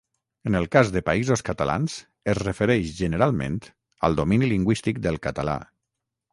En el cas de Països Catalans es refereix, generalment, al domini lingüístic del català.